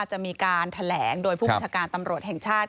จะมีการแถลงโดยผู้บัญชาการตำรวจแห่งชาติ